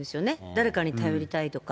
誰かに頼りたいとか。